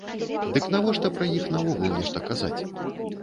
Дык навошта пра іх наогул нешта казаць?